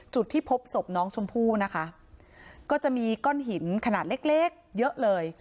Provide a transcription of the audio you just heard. จุดที่พบศพน้องชมพู่นะคะก็จะมีก้อนหินขนาดเล็กเล็กเยอะเลย